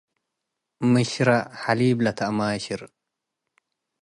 ምሽረ፤ ሐሊብ ለተአማሽር ።